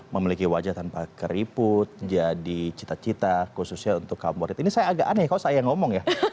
memiliki wajah tanpa keriput jadi cita cita khususnya untuk kaburit ini saya agak aneh kalau saya ngomong ya